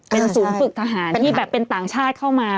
เป็นศูนย์ฝึกทหารที่แบบเป็นต่างชาติเข้ามา